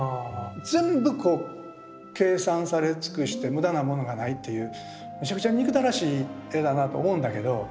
全部こう計算され尽くして無駄なものがないっていうむちゃくちゃ憎たらしい絵だなぁと思うんだけど。